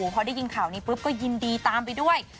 พอได้ยินข่าวนี้ปุ๊บก็ยินดีตามไปด้วย